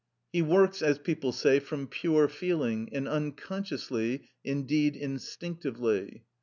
He works, as people say, from pure feeling, and unconsciously, indeed instinctively.